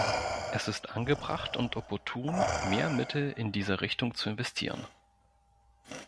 Es ist angebracht und opportun, mehr Mittel in dieser Richtung zu investieren.